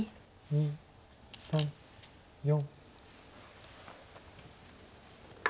２３４。